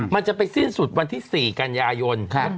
มันจะไปสิ้นสุดวันที่๔กันยายน